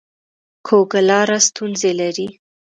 کوږه لار ستونزې لري